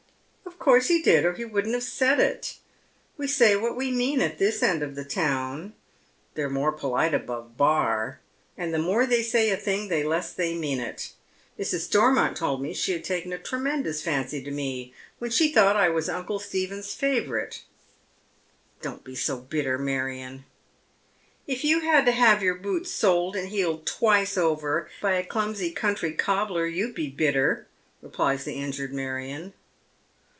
" Of course he did, or he wouldn't have said it. We say what we mean at this end of the town. They're more pohte above Bar, and the more they say a thing the less they mean it. Mrs. Stormont told me she had taken a tremendous fancy to me when she thought I was uncle Stephen's favomite." " Don't be so bitter, Marion." " If you had to have your boots soled and heeled twice over '^y a clumsy country cobbler you'd be bitter," repUes the injured Marion.